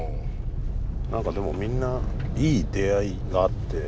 何かでもみんないい出会いがあって。